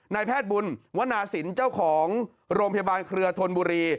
นายแพทย์บุญวนาศิลป์เจ้าของโรงพยาบาลเครือธนบุรี